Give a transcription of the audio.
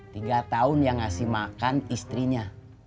tiga tahun yang ngasih makan istrinya